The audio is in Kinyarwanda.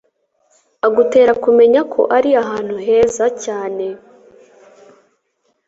agutera kumenya ko ari ahantu heza cyane